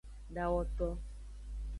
Dawoto.